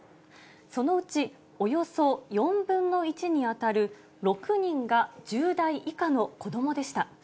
そのうちおよそ４分の１に当たる６人が１０代以下の子どもでした。